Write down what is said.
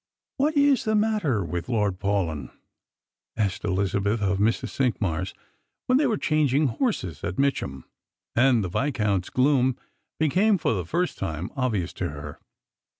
" What is the matter with Lord Paalyn ?" asked Elizabeth of Mrs. Cinqmars, when they were changing horses at Mitcham, and the Viscount's gloom became, for the first time, obvious to ner.